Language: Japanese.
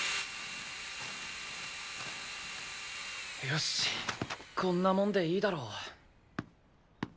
よしこんなもんでいいだろ。